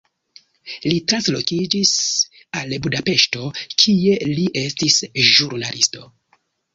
Li translokiĝis al Budapeŝto, kie li estis ĵurnalisto.